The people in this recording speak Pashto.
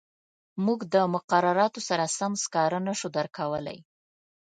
موږ د مقرراتو سره سم سکاره نه شو درکولای.